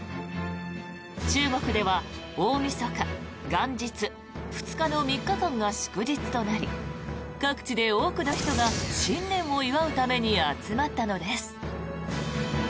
中国では大みそか、元日、２日の３日間が祝日となり各地で多くの人が新年を祝うために集まったのです。